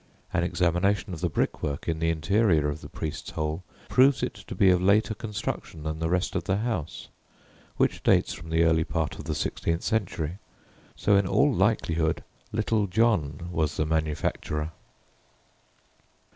An examination of the brick work in the interior of the "priest's hole" proves it to be of later construction than the rest of the house (which dates from the early part of the sixteenth century), so in all likelihood "Little John" was the manufacturer.